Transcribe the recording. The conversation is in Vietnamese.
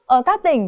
ở các tỉnh